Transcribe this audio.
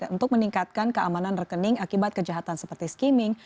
untuk meningkatkan keamanan rekening akibat kejahatan seperti skimming